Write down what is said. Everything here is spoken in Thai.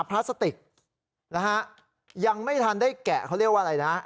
พลาสติกนะฮะยังไม่ทันได้แกะเขาเรียกว่าอะไรนะ